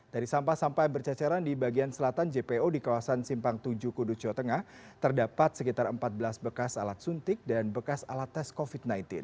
dari sampah sampah yang berceceran di bagian selatan jpo di kawasan simpang tujuh kudus jawa tengah terdapat sekitar empat belas bekas alat suntik dan bekas alat tes covid sembilan belas